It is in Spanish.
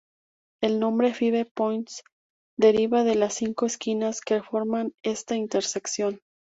El nombre "Five Points" deriva de las cinco esquinas que forman esta intersección.